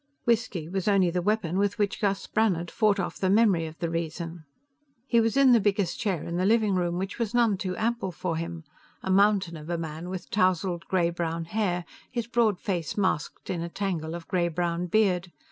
Whisky was only the weapon with which Gus Brannhard fought off the memory of the reason. He was in the biggest chair in the living room, which was none too ample for him; a mountain of a man with tousled gray brown hair, his broad face masked in a tangle of gray brown beard.